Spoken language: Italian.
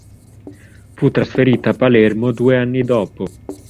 Fu trasferita a Palermo due anni dopo.